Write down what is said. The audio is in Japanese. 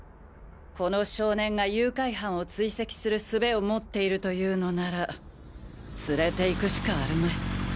この少年が誘拐犯を追跡する術を持っているというのなら連れて行くしかあるまい。